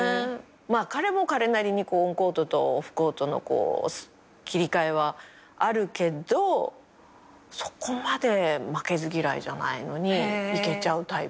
彼も彼なりにオンコートとオフコートの切り替えはあるけどそこまで負けず嫌いじゃないのにいけちゃうタイプ。